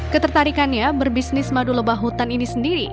ketertarikannya berbisnis madu lebah hutan ini sendiri